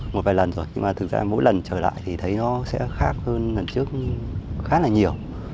một vài lần rồi nhưng mà thực ra mỗi lần trở lại thì thấy nó sẽ khác hơn lần trước khá là nhiều